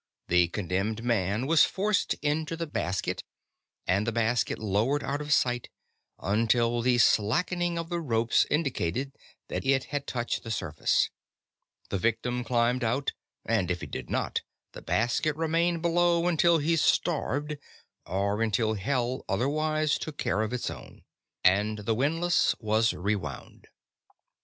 The condemned man was forced into the basket, and the basket lowered out of sight, until the slackening of the ropes indicated that it had touched the surface. The victim climbed out and if he did not, the basket remained below until he starved or until Hell otherwise took care of its own and the windlass was rewound.